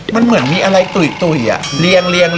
มันเหมือนมีอะไรตุ๋ยเรียง